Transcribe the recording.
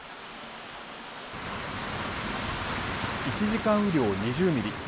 １時間雨量２０ミリ。